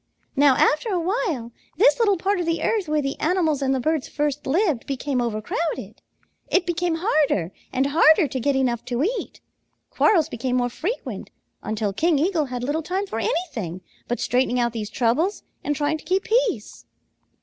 Now after a while, this little part of the earth where the animals and the birds first lived became overcrowded. It became harder and harder to get enough to eat. Quarrels became more frequent, until King Eagle had little time for anything but straightening out these troubles and trying to keep peace.